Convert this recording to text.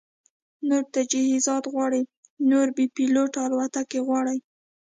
نور تجهیزات غواړي، نورې بې پیلوټه الوتکې غواړي